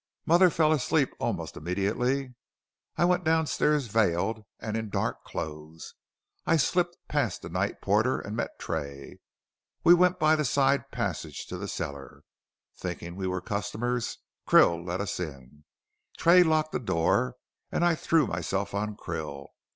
Mother fell asleep almost immediately. I went downstairs veiled, and in dark clothes. I slipped past the night porter and met Tray. We went by the side passage to the cellar. Thinking we were customers Krill let us in. Tray locked the door, and I threw myself on Krill.